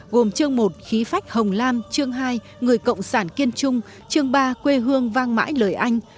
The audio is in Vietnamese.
gồm trường một khí phách hồng lam trường hai người cộng sản kiên trung trường ba quê hương vang mãi lời anh